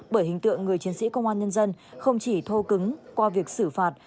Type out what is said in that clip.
bởi hình tượng người chiến sĩ công an nhân dân không chỉ thô cứng qua việc xử phạt